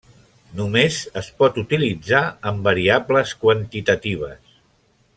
Només es pot utilitzar amb variables quantitatives.